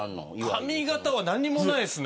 髪形は何もないです。